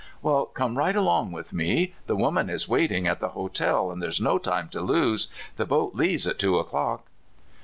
*' Well, come right along with me. The woman is waiting at the hotel, and there's no time to lose. The boat leaves at two o'clock."